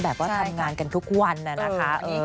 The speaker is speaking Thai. ว่าทำงานกันทุกวันน่ะนะคะ